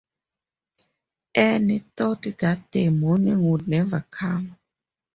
Anne thought that the morning would never come.